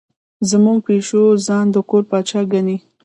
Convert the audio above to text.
زموږ پیشو ځان د کور پاچا ګڼي.